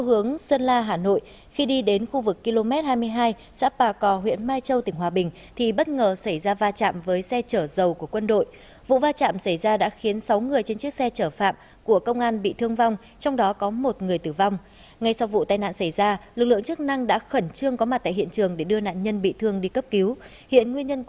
hãy đăng ký kênh để ủng hộ kênh của chúng mình nhé